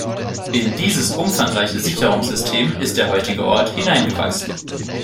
In dieses umfangreiche Sicherungssystem ist der heutige Ort hineingewachsen.